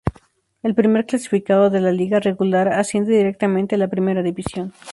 El primer clasificado de la liga regular asciende directamente a la primera división.